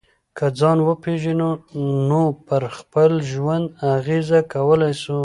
که ځان وپېژنو نو پر خپل ژوند اغېزه کولای سو.